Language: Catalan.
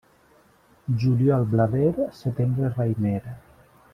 Juliol blader, setembre raïmer.